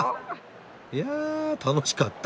いや楽しかった。